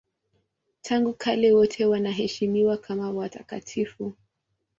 Tangu kale wote wanaheshimiwa kama watakatifu.